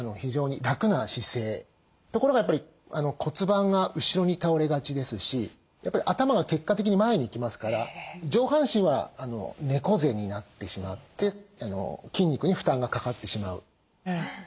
ところがやっぱり骨盤が後ろに倒れがちですしやっぱり頭が結果的に前にいきますから上半身は猫背になってしまって筋肉に負担がかかってしまう。